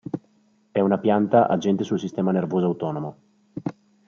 È una pianta agente sul sistema nervoso autonomo.